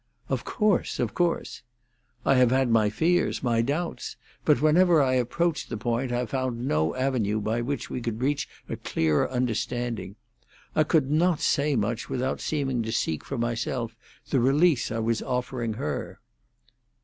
"Of course!—of course!" "I have had my fears—my doubts; but whenever I approached the point I found no avenue by which we could reach a clearer understanding. I could not say much without seeming to seek for myself the release I was offering her."